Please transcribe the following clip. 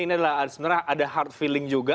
ini adalah sebenarnya ada hard feeling juga